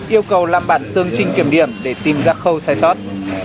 yêu cầu làm bản tương trình kiểm điểm để tìm ra khâu sai sót